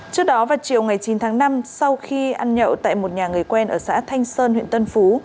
trước đó vào chiều ngày chín tháng năm sau khi ăn nhậu tại một nhà người quen ở xã thanh sơn huyện tân phú